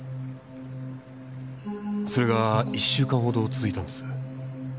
それが１週間ほど続いたんです。